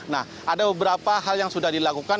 nah ada beberapa hal yang sudah dilakukan